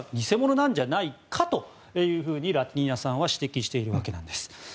こちらが偽者なんじゃないかというふうにラティニナさんは指摘しているわけです。